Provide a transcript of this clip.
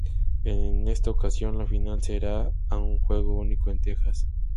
En esta ocasión la final será a un juego único en Texas.